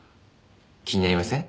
気になりません？